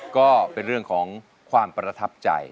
ก็เป็นเรื่องของความประทับใจ